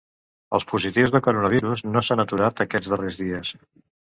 Els positius de coronavirus no s’han aturat aquests darrers dies.